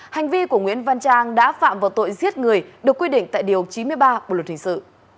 hành vi của nguyễn văn trang đã phạm vào tội giết người được quy định tại điều chín mươi ba bộ luật hình sự